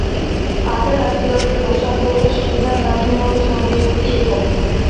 ადრე ადგილობრივი მოსახლეობის მხრიდან ნადირობის ობიექტი იყო.